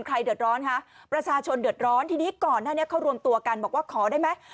ใครเดือดร้อนคะประชาชนเดือดร้อนทีนี้ก่อนหน้านี้เขารวมตัวกันบอกว่าขอได้ไหม